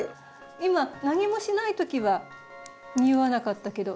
今何もしないときは匂わなかったけど。